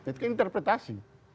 itu kan interpretasi